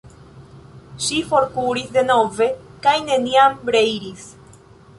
Ŝi forkuris denove kaj neniam reiris.